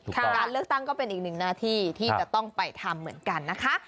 การเลือกตั้งก็เป็นอีกหนึ่งหน้าที่ที่จะต้องไปทำเหมือนกันนะคะ